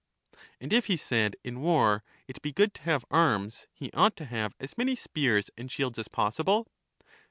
And if, he said, in war it be good to have arms, he ought to have as many spears and shields as possible?